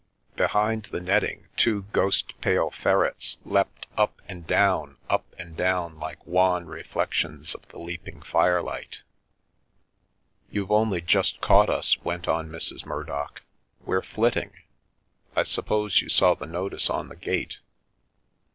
Behind the netting two ghost pale ferrets leapt up and down, up and down, like wan re flections of the leaping firelight. " You've only just caught us," went on Mrs. Murdock, we're flitting. I suppose you saw the notice on the gate.